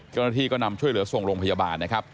กรณฑีก็นำช่วยเหลือส่งโรงพยาบาลนะครับ